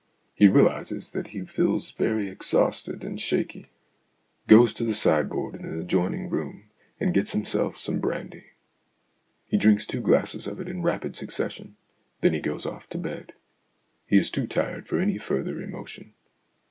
He realizes that he feels very exhausted and shaky, goes to the STORIES IN GREY sideboard in an adjoining room, and gets himsell some brandy. He drinks two glasses of it in rapid succession ; then he goes off to bed. He is too tired for any further emotion.